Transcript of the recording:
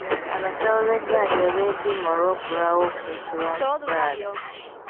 Abasawo b'eddwaliro beediima olw'okulwawo okusasulwa omusaala.